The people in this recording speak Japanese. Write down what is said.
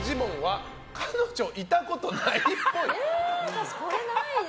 私これないな。